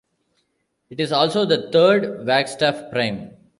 It is also the third Wagstaff prime.